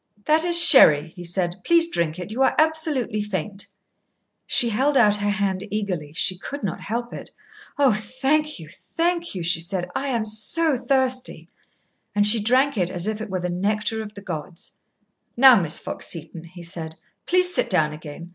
"That is sherry," he said. "Please drink it. You are absolutely faint." She held out her hand eagerly. She could not help it. "Oh, thank you thank you!" she said. "I am so thirsty!" And she drank it as if it were the nectar of the gods. "Now, Miss Fox Seton," he said, "please sit down again.